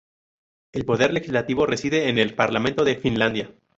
El poder legislativo reside en el Parlamento de Finlandia.